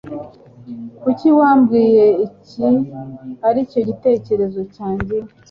Kuki wabwiye iki aricyo gitekerezo cyanjye?